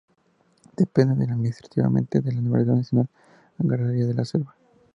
Depende administrativamente de la Universidad Nacional Agraria de la Selva.